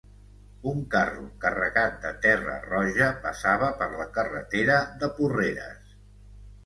Un carro carregat de terra roja passava per la carretera de Porreres